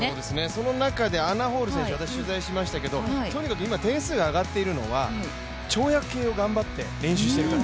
その中でアナ・ホール選手、私、取材しましたけど、とにかく今、点数が上がっているのは跳躍系を頑張って練習しているから。